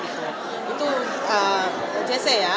itu gc ya